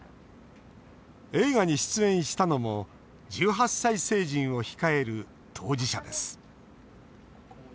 映画に出演したのも１８歳成人を控える当事者です。